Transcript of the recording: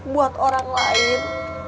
buat orang lain